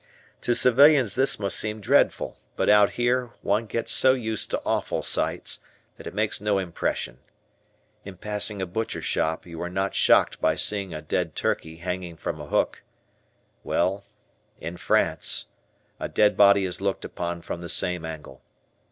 To civilians this must seem dreadful, but out here, one gets so used to awful sights, that it makes no impression. In passing a butcher shop, you are not shocked by seeing a dead turkey hanging from a hook. Well, in France, a dead body is looked upon from the same angle.